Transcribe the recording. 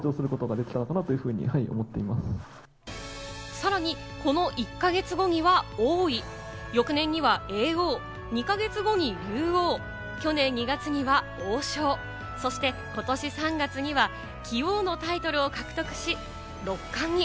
さらにこの１か月後には王位、翌年には叡王、２か月後に竜王、去年２月には王将、そして、ことし３月には棋王のタイトルを獲得し、六冠に。